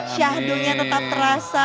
syahdunya tetap terasa